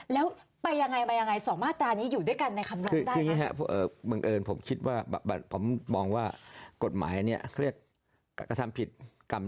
แล้วไปยังไง๒มาตรานี้อยู่ด้วยกันในคำนั้นได้ไหมคะ